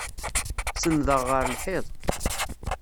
Senndeɣ ɣer lḥiḍ.